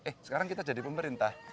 eh sekarang kita jadi pemerintah